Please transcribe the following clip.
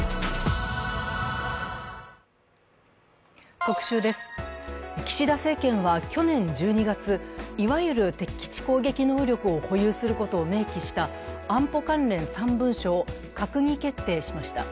特集です、岸田政権は去年１２月、いわゆる敵基地攻撃能力を保有することを明記した安保関連３文書を閣議決定しました